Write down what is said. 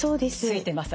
ついてます